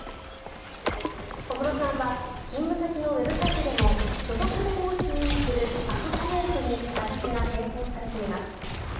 小室さんは勤務先のウェブサイトでも所属弁護士を意味するアソシエイトに肩書が変更されています。